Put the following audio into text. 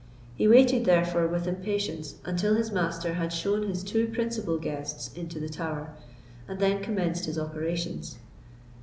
He waited, therefore, with impatience until his master had shown his two principal guests into the Tower, and then commenced his operations.